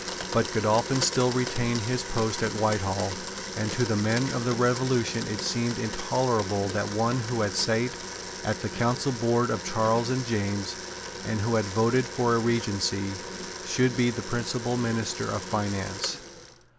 But Godolphin still retained his post at Whitehall; and to the men of the Revolution it seemed intolerable that one who had sate at the Council Board of Charles and James, and who had voted for a Regency, should be the principal minister of finance.